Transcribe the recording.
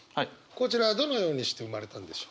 こちらどのようにして生まれたんでしょう。